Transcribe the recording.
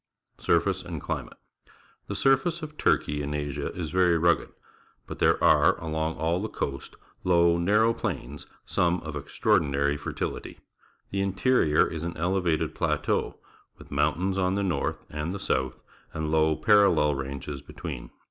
Surface and Climate.— The surface of Turkey in Asia is very rugged, but there are along all the coast low, narrow plains, some of extraordinary fertility. The in terior is an elevated plateau, with mountains on the north and the south, and low, parallel ranges between.